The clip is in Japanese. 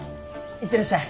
行ってらっしゃい。